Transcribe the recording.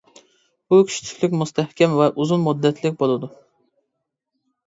بۇ كۈچلۈكلۈك مۇستەھكەم ۋە ئۇزۇن مۇددەتلىك بولىدۇ.